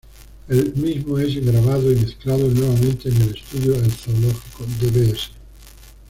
El mismo es grabado y mezclado nuevamente en el estudio "El Zoológico", de Bs.